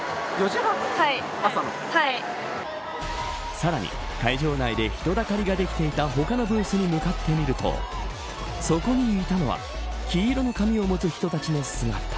さらに会場内で人だかりができていた他のブースに向かってみるとそこにいたのは黄色の紙を持つ人たちの姿。